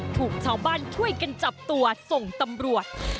ถูกชาวบ้านช่วยกันจับตัวส่งตำรวจ